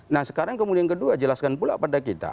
nah sekarang kemudian kedua jelaskan pula pada kita